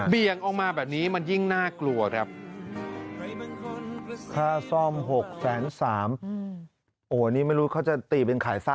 ี่ยงออกมาแบบนี้มันยิ่งน่ากลัวครับ